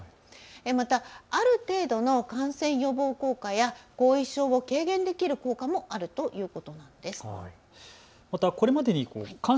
またある程度の感染予防効果や後遺症を軽減できる効果もあると言われてます。